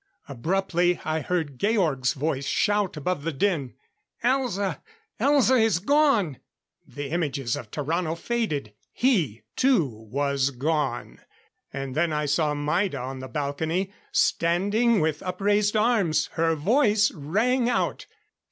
Abruptly, I heard Georg's voice shout above the din: "Elza! Elza is gone!" The images of Tarrano faded. He, too, was gone. And then I saw Maida on the balcony, standing with upraised arms. Her voice rang out.